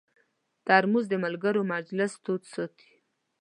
ترموز د ملګرو مجلس تود ساتي.